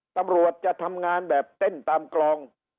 ตำรวจจะทำงานแบบเต้นตามกลอง